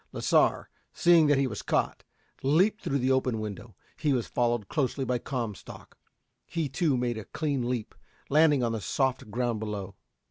Lasar, seeing that he was caught, leaped through the open window. He was followed closely by Comstock. He, too, made a clean leap, landing on the soft ground below.